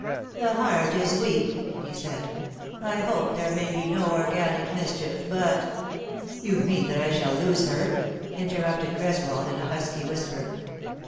" The heart is weak," he said. " I hope there may be no organic mischief, but " "You mean that I shall lose her," interrupted Greswold, in a husky whisper.